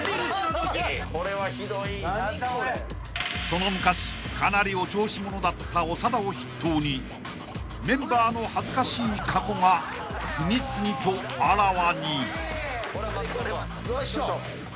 ［その昔かなりお調子者だった長田を筆頭にメンバーの恥ずかしい過去が次々とあらわに］